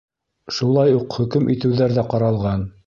Шулай уҡ хөкөм итеүҙәр ҙә ҡаралған.